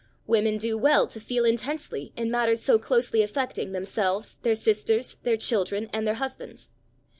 Women do well to feel intensely in matters so closely affecting themselves, their sisters, their children and their husbands.